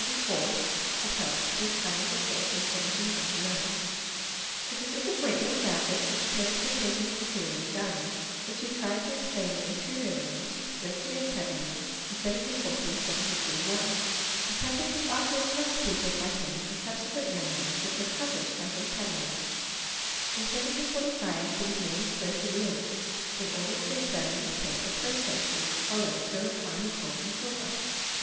du Foy had held till the time of his death in 1739. It was this appointment, doubtless, 'which turned hit attention to the theory of dyeing, which he tried to explain in two memoirs read to the academy in 1740 and 1741. The subject was afterwards prosecuted by him in subsequent memoirs which were published 1^ the academy. In 1745 he was named to go to Lyons in order to examine with care the processes followed for refining gold and silver.